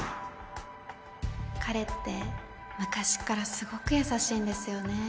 彼って昔からすごく優しいんですよね。